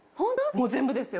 もう全部ですよ。